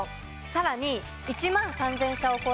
さらに。